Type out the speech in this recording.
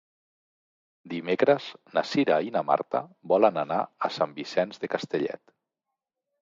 Dimecres na Cira i na Marta volen anar a Sant Vicenç de Castellet.